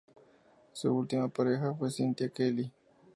Su última pareja fue Cynthia Kelly.